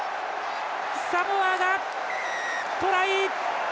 サモアがトライ！